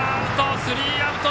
スリーアウト！